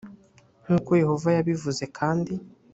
nk uko yehova yabivuze kandi